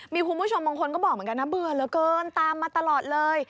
มีคุณผู้ชมบางคนก็บอกเหมือนกันนะเบื่อเหลือเกินตามมาตลอดเลย